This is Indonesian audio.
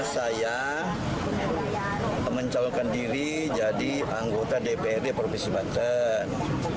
saya mencalonkan diri jadi anggota dprd provinsi banten